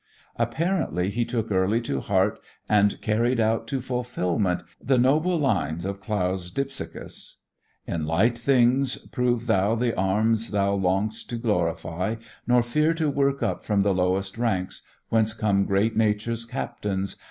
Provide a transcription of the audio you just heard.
Apparently he took early to heart and carried out to fulfillment the noble lines of Clough's Dipsychus: In light things Prove thou the arms thou long'st to glorify, Nor fear to work up from the lowest ranks Whence come great Nature's Captains.